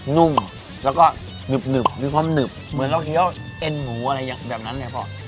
นุ่มแล้วก็หนึบหนึบด้วยความหนึบเหมือนเราเครียวเอ็นหมูอะไรอย่างแบบนั้นเนี่ยพอ